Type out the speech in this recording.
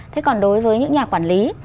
thế còn đối với những nhà quản lý